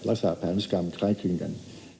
รักษาแผนศึกรรมคล้ายกันกัน